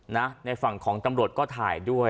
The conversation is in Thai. ในฝั่งของตำรวจก็ถ่ายด้วย